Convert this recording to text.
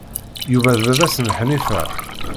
Yuba d baba-s n Ḥnifa.